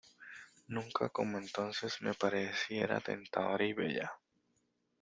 nunca como entonces me pareciera tentadora y bella.